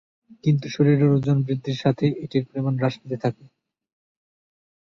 কিন্তু শরীরের ওজন বৃদ্ধির সাথে এটির পরিমাণ হ্রাস পেতে থাকে।